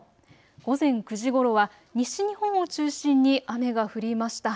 午前９時ごろは西日本を中心に雨が降りました。